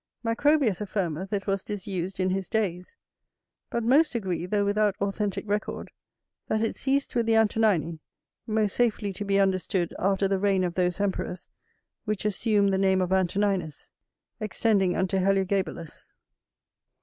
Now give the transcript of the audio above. Macrobius affirmeth it was disused in his days; but most agree, though without authentic record, that it ceased with the Antonini, most safely to be understood after the reign of those emperors which assumed the name of Antoninus, extending unto Heliogabalus.